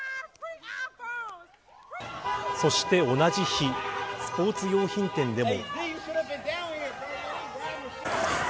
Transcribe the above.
そして同じ日スポーツ用品店でも。